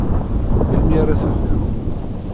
Melmi ara tebdu?